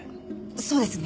そうですね。